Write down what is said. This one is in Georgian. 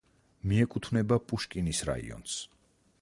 მიეკუთვნება პუშკინის რაიონს.